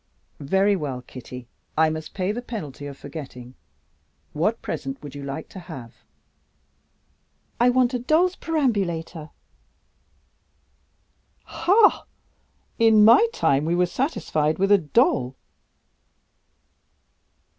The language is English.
"Very well, Kitty; I must pay the penalty of forgetting. What present would you like to have?" "I want a doll's perambulator." "Ha! In my time we were satisfied with a doll."